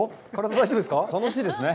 楽しいですね。